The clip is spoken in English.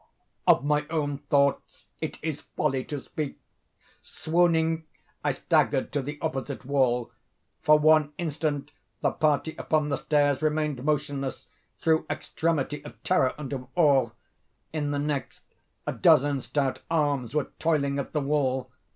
Of my own thoughts it is folly to speak. Swooning, I staggered to the opposite wall. For one instant the party upon the stairs remained motionless, through extremity of terror and of awe. In the next, a dozen stout arms were toiling at the wall.